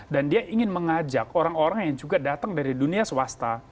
dan dia ingin mengajak orang orang yang juga datang dari dunia swasta